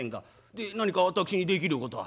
で何か私にできることは？」。